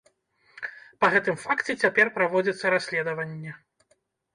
Па гэтым факце цяпер праводзіцца расследаванне.